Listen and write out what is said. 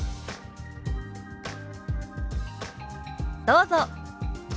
どうぞ。